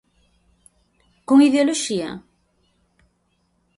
¿Con ideoloxía?